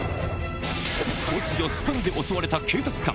突如、スパナで襲われた警察官。